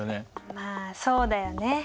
まあそうだよね。